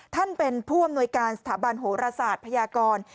ท่านเป็นผู้อำนวยการสถาบันโหรศาสตร์พยากร